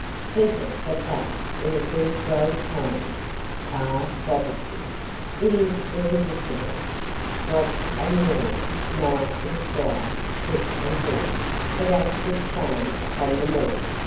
Speak it but thus, in a deep grave tone,—'Pax vobiscum!'—it is irresistible—Watch and ward, knight and squire, foot and horse, it acts as a charm upon them all.